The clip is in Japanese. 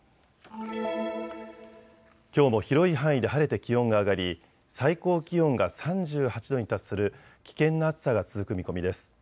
きょうも広い範囲で晴れて気温が上がり最高気温が３８度に達する危険な暑さが続く見込みです。